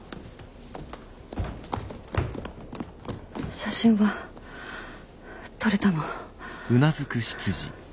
写真は撮れたの？